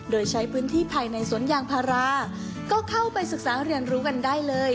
โดยใช้พื้นที่ภายในสวนยางพาราก็เข้าไปศึกษาเรียนรู้กันได้เลย